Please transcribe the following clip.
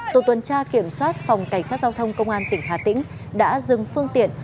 tổ tuần tra kiểm soát phòng cảnh sát giao thông công an tỉnh hà tĩnh đã dừng phương tiện